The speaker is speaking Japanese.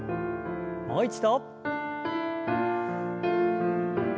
もう一度。